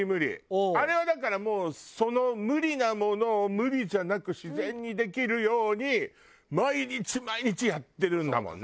あれはだからもうその無理なものを無理じゃなく自然にできるように毎日毎日やってるんだもんね。